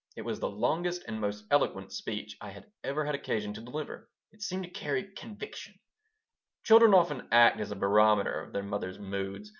It was the longest and most eloquent speech I had ever had occasion to deliver. It seemed to carry conviction Children often act as a barometer of their mother's moods.